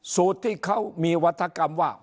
สูตรที่เขามีวัฒกรรมว่า